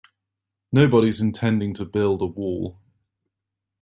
Nobody's intending to build a wall.